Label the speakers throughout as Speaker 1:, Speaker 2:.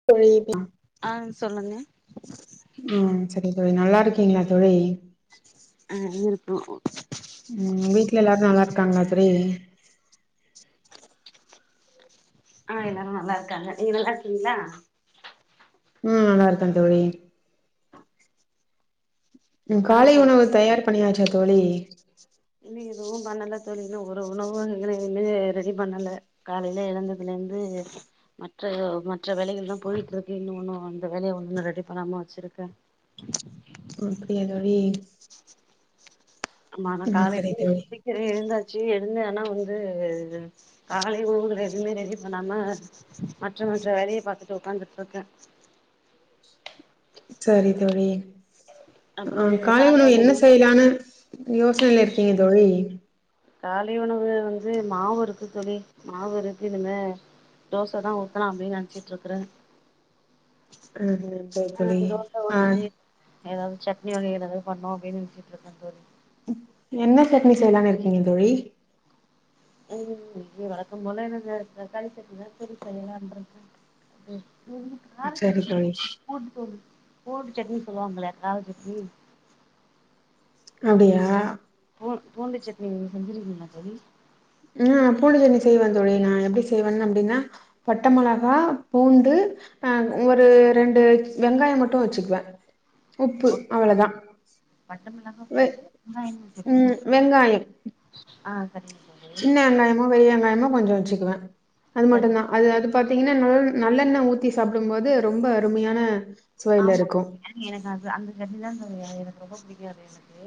Speaker 1: [unintelligible]
Speaker 2: ஆ சொல்லுங்க
Speaker 1: அ சரி தோழி நல்லா இருக்கீங்களா தோழி
Speaker 2: அ இருப்போ
Speaker 1: ம் வீட்ல எல்லாரு நல்லா இருக்காங்களா தோழி
Speaker 2: ஆ எல்லாரு நல்லா இருக்காங்க நீங்க நல்லா இருக்கீங்களா
Speaker 1: ம் நல்லா இருக்க தோழி உ
Speaker 2: ஆ
Speaker 1: காலை உணவு
Speaker 2: சொல்லுங்க
Speaker 1: தயார் பண்ணியாச்சா தோழி
Speaker 2: இன்ன எதுவு பண்ணல தோழி ஒரு உணவு எங்க இன்ன ரெடி பண்ணல காலையில எழுந்ததுலேந்து மற்ற மற்ற வேலைகள் தா போயிட்டு இருக்கு இன்னு ஒன்னு அந்த வேலைய ஒன்னு ரெடி பண்ணாம வச்சிருக்கே
Speaker 1: அப்படியா தோழி
Speaker 2: அம்மா தா
Speaker 1: ஆ சரி
Speaker 2: காலக்கி
Speaker 1: தோழி
Speaker 2: சீக்கிறோ எழுந்தாச்சு எழுந்து ஆனா வந்து காலை உணவுககள் எதுவுமே ரெடி பண்ணாம மற்ற மற்ற வேலய பார்த்துட்டு உக்காந்துட்ருக்கே
Speaker 1: சரி தோழி
Speaker 2: அப்புறோ
Speaker 1: அ
Speaker 2: நீங்க
Speaker 1: காலை உணவு என்ன
Speaker 2: உணவுலா
Speaker 1: செய்லான்னு யோசனைல இருக்கீங்க தோழி
Speaker 2: காலை உணவு வந்து மாவு இருக்கு தோழி மாவு இருக்கு இனிமே தேசதா ஊத்தனூ அப்டின் நெனைச்சிட்டு இருக்கிறோ
Speaker 1: ஆ நன்றி
Speaker 2: ஆ
Speaker 1: தோழி
Speaker 2: தோச
Speaker 1: ஆ
Speaker 2: ஊத்திட்டு ஏதாவது சட்னி வகை ஏதாவது பண்ணோ அப்டின்னு நெனச்சிட்டு இருக்கே தோழி
Speaker 1: என்ன சட்னி செய்யலாம்ன்னு இருக்கீங்க தோழி
Speaker 2: ம் வழக்கம் போல என்னது தக்காளி சட்னி தா திருப்பி செயலானுட் இருக்கே ம் ம் ஹூம் கார
Speaker 1: சரி
Speaker 2: சட்னி
Speaker 1: தோழி
Speaker 2: பூண்டு தோலு போண்டு சட்னி சொல்லுவாங்களே ஆதூக்கு
Speaker 1: அப்டியா
Speaker 2: ப்பூ பூண்டு சட்னி செஞ்சுருக்கீங்களா தோழி
Speaker 1: ம் பூண்டு செட்னி செய்வே தோழி நா எப்படி செய்வே அப்டின்னா பட்ட மிளகா பூண்டு ஆ ஒரு ரெண்டு வெங்காயோ மட்டூ வெச்சுக்குவே உப்பு அவ்ளே தா
Speaker 2: பட்ட மிளகா
Speaker 1: வெ
Speaker 2: பூண்டு வெங்காயம் சட்னி
Speaker 1: ம் வெங்காயம்
Speaker 2: ஆ [unintelligible] பூண்டு
Speaker 1: சின்ன வெங்காயமோ பெரிய வெங்காயமோ கொஞ்சொ வெச்சுக்குவே அது
Speaker 2: சரி
Speaker 1: மட்டும்தா அது அது பாத்தீங்கன்னா நெல் நல்லெண்ண ஊத்தி சாப்பிடும்போது ரொம்ப அருமையான சுவையில
Speaker 2: ஆமா
Speaker 1: இருக்கூ
Speaker 2: எனக்கு அந் அந்த சட்னிதா தோழி எனக்கு ரொம்ப பிடிக்கூ அது எனக்கு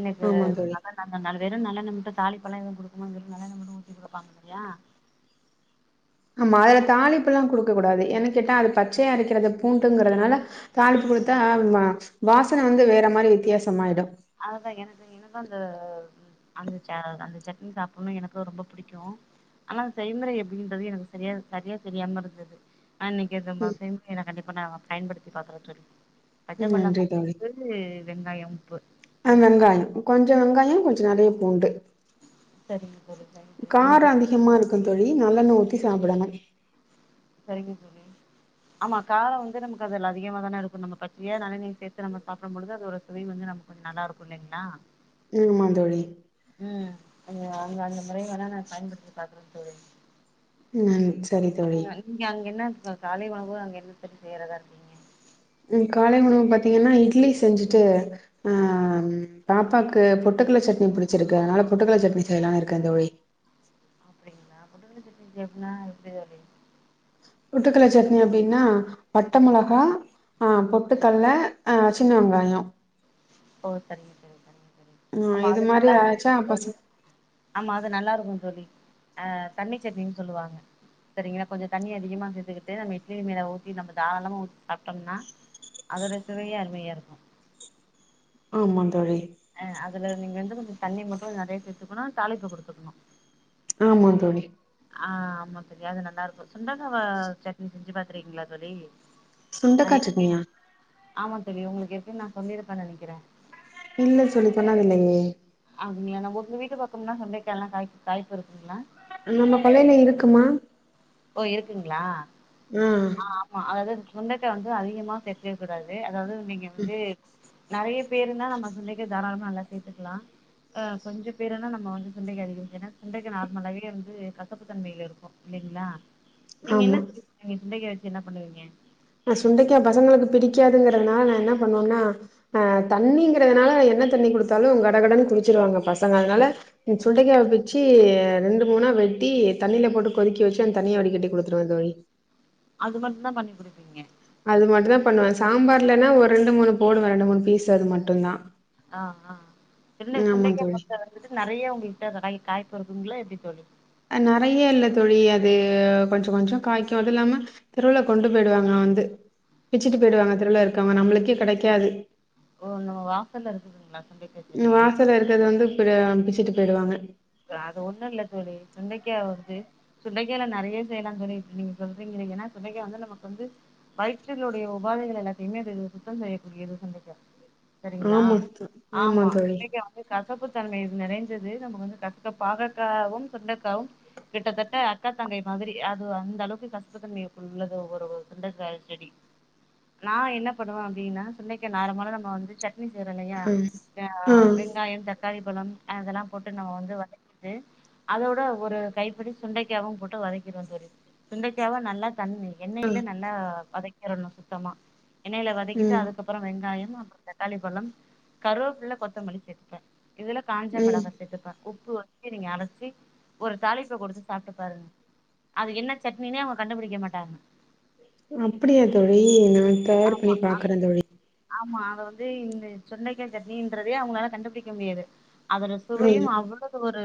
Speaker 2: எனக்கு
Speaker 1: ஆமா தோழி
Speaker 2: அது நல்லா இருக் அந்த நல் வெறூ நல்லெண்ண மட்டூ தாலிப் பெலாம் எதுவூ குடுக்க மாட்டாங்க வெறூ நல்லெண்ண மட்டூ ஊத்தி குடுப்பாங்க இல்லையா
Speaker 1: ஆமா அதுல தாலிப்புல்லா கொடுக்க கூடாது ஏன்ன கேட்டா அது பச்சய அரக்கிறது பூண்டுங்கிறதுனால தாளிப்பு கொடுத்தா வா வாசனை வந்து வேற மாதிரி வித்தியாசொ மாயிடூ
Speaker 2: அததா எனக்கு எனக்கு அந்த அந்த சேனல் அந்த சட்னி சாப்பிடணூ எனக்கு ரொம்ப பிடிக்கூ ஆனா செய்முறை எப்படின்றது எனக்கு சரியா சரியா தெரியாம இருந்தது ஆ இன்னிக்கு நம்ம செய்சூ கண்டிப்பா நா பயன்படுத்தி பாக்குறோ தோழி பச்சை
Speaker 1: ம் நன்றி
Speaker 2: மிளகா வந்து இது இல்லனா ஏ உப்பு
Speaker 1: அ வெங்காயம் கொஞ்சொ வெங்காயோ கொஞ்சொ நெறய பூண்டு
Speaker 2: சரிங்க தோழி சரிங்க தோழி இந்த
Speaker 1: காரம் அதிகமா இருக்கூ தோழி நல்லெண்ண ஊத்தி சாப்பிடனூ
Speaker 2: சரிங்க தோழி ஆமா காரம் வந்து நமக்கு அதல அதிகமா தானே இருக்கூ நம் பச்சயா நறய நீ சேர்த்து நம்ம சாப்பிடும் பொழுது அது ஒரு சுவை வந்து நம்ப நல்லா இருக்கூ இல்லிங்களா
Speaker 1: ம் ஆமா தோழி
Speaker 2: ம் அந்த அந்த முறை வேனா நா பயன்படுத்தி பாக்குறே தோழி
Speaker 1: ம் சரி தோழி
Speaker 2: அஹ் நீங்க அங்க என்ன காலை உனவு அங்க என்ன செய்யறதா இருக்கீங்க
Speaker 1: ம் காலை உணவு பாத்தீங்கன்னா இட்லி செஞ்சுட்டு அ பாப்பாக்கு பொட்டுக்கடளை சட்னி புடிச்சிருக்கு அதனால பொட்டுக்கடளை சட்னி செய்யலாம்ன்னு இருக்கே தோழி
Speaker 2: அப்டிங்களா பொட்டுக்கடலை சட்னி செய்யறதுனா எப்படி தோழி
Speaker 1: பொட்டுக்கடலை சட்னி அப்டின்னா பட்ட மொளகா ஆ பொட்டுக்கல்ல அ சின்ன வெங்காயோ
Speaker 2: ஓ சரிங்க சரி சரிங்க சரி
Speaker 1: ஆ
Speaker 2: ஆமா
Speaker 1: இது
Speaker 2: அது
Speaker 1: மாரி
Speaker 2: நல்லா
Speaker 1: அரச்சா பச
Speaker 2: இருக்கு [inaudible] ஆமா அது நல்லா இருக்கு தோழி அ தண்ணி சட்னின்னு சொல்லுவாங்க சரிங்களா கொஞ்சோ தண்ணி அதிகமா சேத்துக்கிட்டு நம்ம இட்லி மேல ஊத்தி நம்ம தாரளமா ஊத்தி சாப்ட்டோம்னா அதனுடைய சுவையே அருமையா இருக்கு
Speaker 1: ஆமா தோழி
Speaker 2: ஆ அதுல நீங்க வந்து கொஞ்சோ தண்ணி மட்டு நறைய சேத்துக்கணு தாளிப்பு குடுத்துக்கணு
Speaker 1: ஆமா தோழி
Speaker 2: ஆ ஆமா தோழி அது நல்லா இருக்கு சுண்டக்கா வ சட்னி செஞ்சு பாத்துருகீங்ளா தோழி நா
Speaker 1: சுண்டக்கா
Speaker 2: எப்டினு
Speaker 1: சட்னியா
Speaker 2: ஆமா தோழி உங்களுக்கு ஏற்கனவே நா சொல்லி இருப்ப நனைக்கிற
Speaker 1: இல்ல தோழி சொன்னாதில்லையே
Speaker 2: அப்டிங்ளா ந உங்க வீட்டு பக்கம்லா சுண்டைக்காய்ல்லா காய் காய்பு இருக்குங்ளா
Speaker 1: நம்ம கொள்ளையில இருக்குமா
Speaker 2: ஓ இருக்குங்ளா
Speaker 1: ம்
Speaker 2: ஆமா அதாவது சுண்டக்கா வந்து அதிகமா சேத்துக்க கூடாது அதாவது நீங்க வந்து நறைய பேரு இருந்தா நம்ம சுண்டக்கா தாராளமா நல்லா சேத்துக்கலா ஆ கொஞ்ச பேர்னா நம்ம வந்து சுண்டைக்கா அதிகோ ஏனா சுண்டைக்கா நார்மலாவே வந்து கசப்பு தன்மையில இருக்கு இல்லைங்களா நீங்க என்ன
Speaker 1: ஆமா
Speaker 2: செய்வீங்க சுண்டைக்காய் வச்சு என்ன பண்ணுவீங்க
Speaker 1: நா சுண்டைக்கா பசங்களுக்கு பிடிக்காதுங்கிறதுனால நா என்ன பண்ணுவனா அ தண்ணிங்கறதுனால என்ன தண்ணி குடுத்தாலு கடகடன்னு குடிச்சிருவாங்க பசங்க அதனால சுண்டைக்காவ பிச்சு ரெண்டு மூணா வெட்டி தண்ணியில போட்டு கொதிக்க வச்சு அந்த தண்ணிய வடி கட்டி குடுத்துருவே தோழி
Speaker 2: அது மட்டு தா பண்ணி குடுப்பீங்க
Speaker 1: அது மட்டு தா பண்ணுவ சாம்பார்லன்னா ஒரு ரெண்டு மூணு போடுவ ரெண்டு மூணு பீசு அது மட்டு தா
Speaker 2: ஆ ஆ சின்ன சுண்டைக்காய
Speaker 1: தோழி
Speaker 2: பத்த வந்துட்டு நறைய உங்கள்ட்ட காய் காய்ப்பு இருகுங்ளா எப்டி தோழி
Speaker 1: அ நறைய இல்ல தோழி அது கொஞ்ச கொஞ்சோ காய்க்கு அது இல்லாம தெருவுல கொண்டு போயிடுவாங்களா வந்து பிச்சுட்டு போயிடுவாங்க தெருவுல இருக்கவுங்க நம்மளுக்கே கெடைக்காது
Speaker 2: ஓ நம்ம வாசல்ல இருக்குதுங்களா சுண்டைக்கா செடி
Speaker 1: வந்து வந்து அ பிச்சுட்டு போயிடுவாங்க
Speaker 2: அது ஒண்ணு இல்ல தோழி சுண்டைக்கா வந்து சுண்டைக்காய்ல நறைய செய்யலா தோழி இப்ப நீங்க சொல்றீங்கீங்க ஏனா சுண்டைக்கா வந்து நமக்கு வந்து வயித்துளுடைய உபாதைகள எல்லத்தையுமே அது சுத்தோ செய்யக்கூடியது சுண்டைக்கா சரிங்களா
Speaker 1: ஆமா தோ
Speaker 2: ஆமா
Speaker 1: தோழி
Speaker 2: சுண்டைக்கா வந்து கசப்பு தன்மை நிறைந்தது நமக்கு வந்து கசப் இந்த பாகக்காவும் சுண்டக்காவும் கிட்டத்தட்ட அக்கா தங்கை மாதிரி அது அந்த அளவுக்கு கசப்பு தன்மை உள்ளது ஒவ்வொரு ஒரு சுண்டைகாய் டி நா என்ன பண்ணுவ அப்டின்னா சுன்டைக்கா நார்மாலா நம்ப வந்து சட் னி செய்றோ இல்லையா
Speaker 1: ஆ
Speaker 2: அ
Speaker 1: ஆ
Speaker 2: வெங்காயம் தக்காளி பழம் அதெல்லா போட்டு நம்ம வந்து வதக்கிட்டு அதோட ஒரு கைப்பிடி சுண்டைக்காவு போட்டு வதக்கிருவ தோழி சுண்டைக்காவா நல்லா தண்ணி
Speaker 1: ஆ
Speaker 2: எண்ணெயில நல்லா வதைக்கிறணு சுத்தமா எண்ணெயில வதக்கிட்டு
Speaker 1: ம்
Speaker 2: அதுக்கு அப்புறோ வெங்காயம் அப்புறோ தக்காளி பழம் கருபுள்ள கொத்தமல்லி சேத்துப்ப இதுல காஞ்ச
Speaker 1: ம்
Speaker 2: மெளகா சேத்துப்ப உப்பு வச்சி நீங்க அரைச்சி ஒரு தாளிப்ப குடுத்து சாப்ட்டு பாருங்க அது என்ன சட்னினே அவுங்க கண்டுபிடிக்க மாட்டாங்க
Speaker 1: அப்படியா தோழி நா தயார் பண்ணி பாக்குற தோழி
Speaker 2: ஆமா அத வந்து இந்த சுண்டைக்காய் சட்னின்றதே அவுங்களால கண்டுபுடிக்க முடியாது அதுல சுவையு
Speaker 1: ம்
Speaker 2: அவ்வளோ ஒரு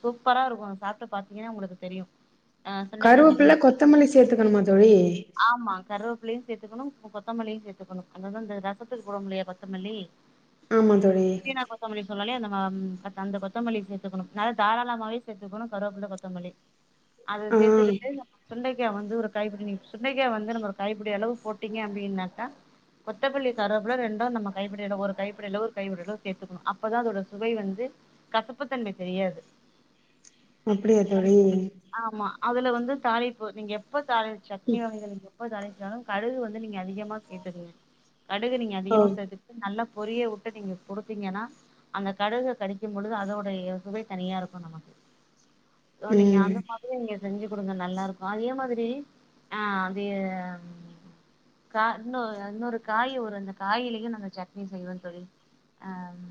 Speaker 2: சூப்பரா இருக்கு சாப்ட்டு பாத்தீங்கன்னா உங்களுக்கு தெரியு அ சுண்டைக்காய்
Speaker 1: கருவேப்பில
Speaker 2: சட்னிங்க
Speaker 1: கொத்தமல்லி சேத்துக்கணுமா தோழி
Speaker 2: ஆமா கருவப்லையு சேத்துக்கணு கொத்தமல்லியு சேத்துக்கணு அத இந்த ரசத்துக்கு போடுவமுல்லையா கொத்தமல்லி
Speaker 1: ஆமா தோழி
Speaker 2: புதினா கொத்தமல்லி சொன்னாலே நம்ம அந்த கொத்தமல்லி சேத் த்துக்கணும் நல்லா தாராளமாவே சேத்துக்கணு கருவப்பில்ல கொத்தமல்லி அத
Speaker 1: ஆ
Speaker 2: சேத்துக்கிட்டு சுண்டைக்காய் வந்து ஒரு கைப்பிடி நீங்க சுண்டக்காய் வந்து நம்ம ஒரு கைப்பிடி அளவு போட்டீங்க அப்டின்னாக்கா கொத்தமல்லி கருவப்புல ரெண்டு நம்ம கைப்படியளவு ஒரு கைப்படியலவு ஒரு கைப்படியவு சேத்துகணு அப்பதா அதோட சுவை வந்து கசப்புத்தன்மை தெரியாது
Speaker 1: அப்படியா தோழி
Speaker 2: உங்களுக்கு ஆமா அதுல வந்து தாழிப்பு நீங்க எப்ப தாழி சட்னி வகைகள் எப்ப தாழிச்சாலு கடுகு வந்து நீங்க அதிகமா சேத்துக்ங்க கடுகு நீங்க
Speaker 1: ஓ
Speaker 2: அதிகமா சேத்து நல்லா பொரிய விட்டு நீங்க குடுத்தீங்கன்னா அந்த கடுக கடிக்கும் பொழுது அதோ ட சுவை தனியா இருக்கு நமக்கு சோ நீங்க அந்த
Speaker 1: ம்
Speaker 2: மா திரி நீங்க செஞ்சு குடுங்க நல்லா இருக்கு அதே மாதிரி அ அது கா இன்னொ இன்னொரு காய் ஒரு அந்த காயிலயு நாங்க சட்னி செய்வோ தோழி அம்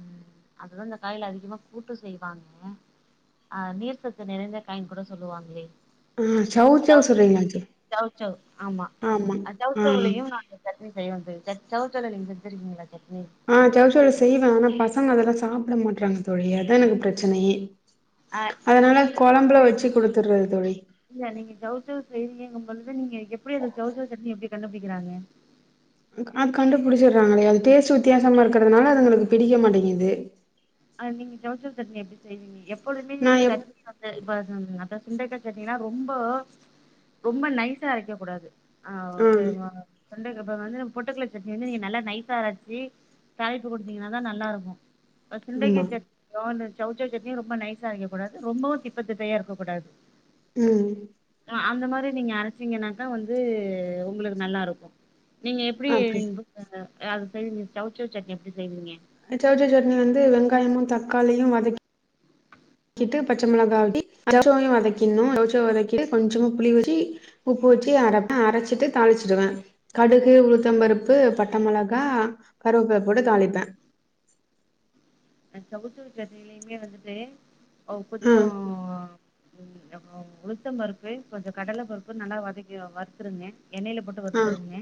Speaker 2: அதுவு இந்த காயில அதிகமா கூட்டு செய் வாங்குவோ அ நீர் சத்து நிறைந்த காயின் கூட சொல்லுவாங்ளே
Speaker 1: ஆ சௌசௌ
Speaker 2: சவ்சவ்
Speaker 1: சொல்றீங்களா தோழி
Speaker 2: சவ்சவ் ஆமா அந் சவ்சவ்லயு நாங்க சட்னி செய்வோ தோழி சவ்சவ் ல நீங்க செஞ்சிருக்கீங்ளா சட்னி
Speaker 1: ஆ சவ்சவ்ல செய்வ ஆனா பசங்க அதெல்லா சாப்ட மாட்றாங்க தோழி அதா எனக்கு பிரச்சனயே
Speaker 2: ஆ
Speaker 1: அதனால
Speaker 2: இல்லையே
Speaker 1: கொழம்புல
Speaker 2: இது
Speaker 1: வச்சி குடுத்துறது தோழி
Speaker 2: இல்ல நீங்க சவ்சவ் செய்றீங்கங்கம் பொழுது நீங்க எப்டி அத சவ்சவ் சட்னி எப்டி கண்டுபிடிக்கிறாங்க
Speaker 1: ம் ஆ கண்டுபிடிச்சிறாங்களே அது டேஸ்ட் வித்தியாசமா இருக்கிறதுனால அதுங்களுக்கு பிடிக்க மாட்டேங்குது
Speaker 2: அது நீங்க சவ்சவ் சட்னி எப்டி செய்வீங்க எப்போதுமே
Speaker 1: நா எப்
Speaker 2: சட்னி [unintelligible] இப்ப அப்ப சுண்டைக்கா சட்னீன்னா ரொம்ப ரொம்ப நைசா அரைக்க கூடாது ஆ செய்வாங்க சுண்டக்கா அப்ப வந்து நம்ம பொட்டுக்கல சட்னி வந்து நீங்க நல்லா நைசா அரச்சி தாழிப்பு குடுத்தீங்கன்னா தா நல்லாருக்கு ப சுண்டைக்க
Speaker 1: ஆமா
Speaker 2: சட்னியு இந்த சவ்சவ் சட்னியு ரொம்ப நைசா அரைக்க கூடாது ரொம்பவு திப்ப திப்பயா இருக்க கூடாது
Speaker 1: ம்
Speaker 2: ஆ அந்த மாரி நீங்க அரச்சிங்கன்னாகா வந்து உங்களுக்கு நல்லா இருக்கு நீங்க எப்டி
Speaker 1: அப்டி
Speaker 2: [unintelligible] அத செய்வீங்க சவ்சவ் சட்னி எப்படி செய்வீங்க
Speaker 1: சவ்சவ் சட்னி வந்து வெங்காயமு தக்காளியு வதக் ட்டு பச்ச மொளகாட்டி சவ்சவ்யு வதக்கினு சவ்சவ் வதக்கி ட்டு கொஞ்சமா புளி வச்சு உப்பு வச்சு அரைப்ப அரச்சிட்டு தாளிச்சிடுவ கடுகு உளுத்த பருப்பு பட்ட மொளகா கருவப்ல போட்டு தாழிப்ப
Speaker 2: அ சவ் சவ் சட்னிலயுமே வந்துட்டு
Speaker 1: ஆ
Speaker 2: கொஞ்சோ அ உளுத்தம் பருப்பு கொஞ்சோ கடல பருப்பு நல்லா வதக்கி வருத்துருங்க எண்ணெயில போட் டு
Speaker 1: ஆ
Speaker 2: வருத்துருங்க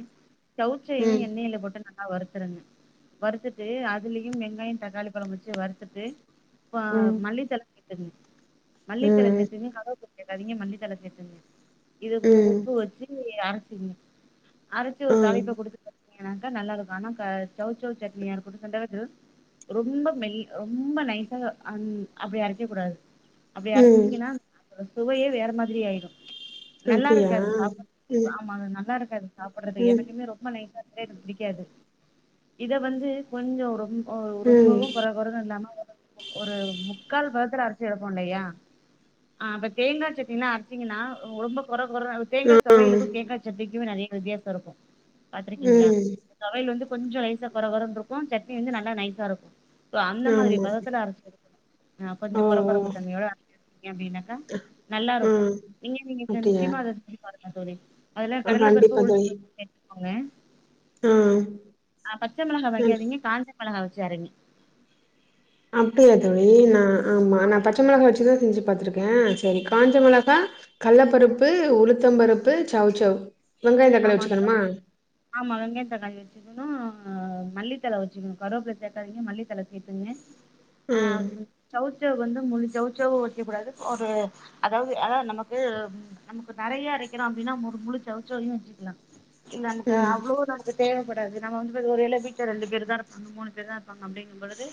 Speaker 2: சவ்சவ்யு
Speaker 1: ம்
Speaker 2: எண்ணெயில போட்டு நல் லா வறுத்துருங்க வறுத்துட்டு அதுலயு வெங்காயோ தக்காளி பழம் வச்சு வறுத்துட்டு பா
Speaker 1: ம்
Speaker 2: மல்லித்தழ சேத்துங்க மல்லித்தழ
Speaker 1: ம்
Speaker 2: சேத்துங்க கருவப்ல சேக்காதீங்க மல்லித்தழ சேத்துங்க இத கொஞ்சோ
Speaker 1: ம்
Speaker 2: உப்பு வச்சி அரச்சிங்க அரச்சி ஒரு
Speaker 1: ஆ
Speaker 2: தாழிப்ப குடுத்துட்டீங்கனாக்கா நல்லா இருக்கு ஆனா க சவ் சவ் சட்னியா இருக்கட்டு ரெண்டாவது ரொம்ப மெ ரொம்ப நைஸா அ அப்டி அரைக்க கூடாது அப்டி
Speaker 1: ம்
Speaker 2: அரச்சிங்கன்னா அதோட சுவையே வேற மாதிரி ஆய்டு நல்லா
Speaker 1: அப்டியா
Speaker 2: இருக்காது சாப்பா
Speaker 1: ம்
Speaker 2: [unintelligible] ஆமா அது நல்லா இருக்காது சாப்புடாறது
Speaker 1: ம்
Speaker 2: எனக்குமே ரொம்ப நைசா சேத்து புடிக்காது இதவந்து கொஞ்சொ ரொம்பொ
Speaker 1: ம்
Speaker 2: ரொம்பொவு கொற கொறன்னுஇல்லாம ஒரு ஒரு முக்கால் பதத்துல அரச்சு எடுப்போ இல்லையா ஆ ப்ப தேங்கா சட்னிலா அரச்சீங்கன்னா ரொம்ப கொற கொற தேங்கா
Speaker 1: ஆ
Speaker 2: தொவையளுக்கு
Speaker 1: ம்
Speaker 2: தேங்கா சடனிக்குமே நறைய வித்தியாசோருக்கு பாத்திருக்கீங்ளா தொவையல் வந்து கொஞ்சொ லேசா கொர கொரன்ருக்கூ சட்னி வந்து நல்லா நைசாருக் இப்போ அந்த மாரி
Speaker 1: ஆமா
Speaker 2: பதத்துல அரச் ஆ
Speaker 1: ஓ
Speaker 2: கொஞ்சோ
Speaker 1: ஓ
Speaker 2: கொரகொரப்பு தன்மையோட அப்படின்னாக்கா
Speaker 1: ஆ
Speaker 2: நல்லாருக்கு நீங்க நீங்க
Speaker 1: அப்டியா
Speaker 2: நிச்சயமா அத சிரி பாருக்க தோழி அதெல்லா
Speaker 1: ஆ
Speaker 2: கடலபருப்
Speaker 1: கண்டிப்பா தோழி
Speaker 2: உளுத்த [inaudible] அவுங்க
Speaker 1: ஆ ம்
Speaker 2: அ பச்சமிளகா வக்காதீங்க காஞ்சமெளகா வச்சு அரங்க
Speaker 1: அப்டியா தோழி நா ஆம்மா நா பச்ச மிளகா வச்சுதா செஞ்சு பாத்திருக் சரி காஞ்ச மிளகா, கள்ளப்பருப்பு, உளுத்தம்பருப்பு, சௌசௌ வெங்காயொ, தாக்காளி வச்சுக்கணுமா
Speaker 2: ஆம்மா வெங்கய தக்காளி வெச்சு னு மல்லித்தல வச்சுக்ணு கரோப்ல சேக்காதீங்க மல்லித்தல சேத்துங்க அ
Speaker 1: ம்
Speaker 2: சொல்லு சௌசௌ வந்து முழு சௌசௌ வக்க கூடாது ஒரு அதாவ்து அதா நம்மக்கு நம்மக்கு நறைய அரக்கிறோ அப்டின்னா ஒரு முழு சௌசௌவ்யு வச்சுக்லா இல்ல அந்த
Speaker 1: ம்
Speaker 2: அவ்ளோ ப்ப தேவப்படாது நம்ம வந்து ஒரு இல வீட்ல ரெண்டு பேர்தா இருப்பாங்க மூணு பேர்தா இருப்பங்க அப்டிங்கும்பொழுது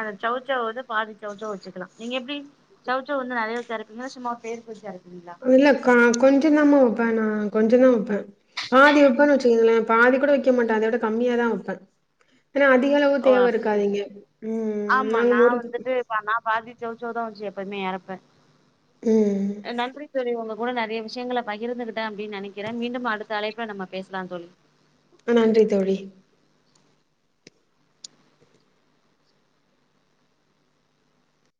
Speaker 2: அந்த சௌசௌவ்வ வந்து பாதி சௌசௌ வச்சுக்கலா நீங்க எப்டி சௌசௌ வந்து நறைய வச்சு அரப்பீங்களா சும்மா பேருக்கு வச்சு அரப்பிங்களா
Speaker 1: இல்ல கா கொஞ்சொதாம்மா வெப்பே நா கொஞ்சொ தாவெப்பே பாதி வெப்பேன்னு வச்சுக்கங்களே பாதிகூட வெக்கமாட்ட அத விட கம்மியா தா வப்பே என்னா அதிகளவு
Speaker 2: ஓ
Speaker 1: தேவ
Speaker 2: அப்படிங்களா
Speaker 1: இருக்காதுஇங்க ம்
Speaker 2: ஆமாம்
Speaker 1: நாங்க மூரு
Speaker 2: நான் வந்துட்டு பா நா பாதி சௌசௌதா வச்சு எப்பயுமே அறப்பே
Speaker 1: ம்
Speaker 2: நன்றி செரி உங்க கூட நறைய விஷயங்கள பகிர்ந்துகிட்டே அப்டின்னு நெனைக்கிற மீண்டும் அடுத்த அலைப்புல நம்ம பேஸ்லா தோழி
Speaker 1: அ நன்றி தோழி